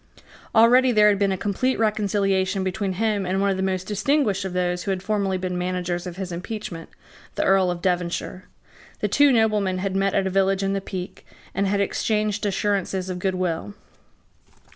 Already there had been a complete reconciliation between him and one of the most distinguished of those who had formerly been managers of his impeachment, the Earl of Devonshire. The two noblemen had met at a village in the Peak, and had exchanged assurances of good will.